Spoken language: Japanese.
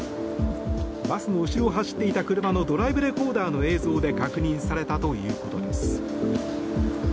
バスの後ろを走っていた車のドライブレコーダーの映像で確認されたということです。